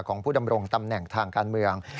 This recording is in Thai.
ของผู้ดำรงตำแหน่งทางการเมือง